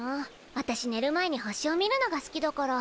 わたしねる前に星を見るのが好きだから。